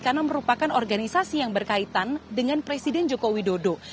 karena merupakan organisasi yang berkaitan dengan presiden joko widodo